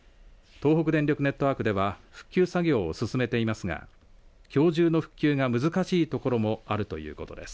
東北電力ネットワークでは復旧作業を進めていますがきょう中の復旧が難しい所もあるということです。